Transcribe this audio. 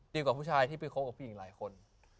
กว่าผู้ชายที่ไปคบกับผู้หญิงหลายคน